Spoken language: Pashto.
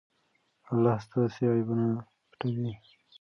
الله ستاسو عیبونه پټوي.